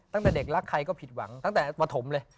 ตั้งแต่เด็กรักใครก็ผิดหวังตั้งแต่ปฐมเลย